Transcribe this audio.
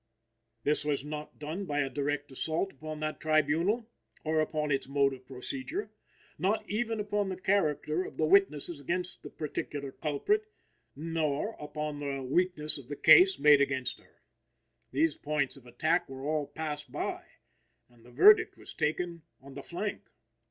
This was not done by a direct assault upon that tribunal, or upon its mode of procedure; not even upon the character of the witnesses against the particular culprit, nor upon the weakness of the case made against her. These points of attack were all passed by, and the verdict was taken on the flank.